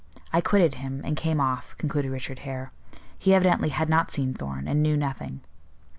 I quitted him, and came off," concluded Richard Hare. "He evidently had not seen Thorn, and knew nothing."